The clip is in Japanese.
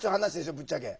ぶっちゃけ。